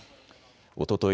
おととい